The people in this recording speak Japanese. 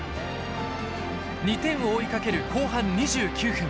２点を追いかける後半２９分。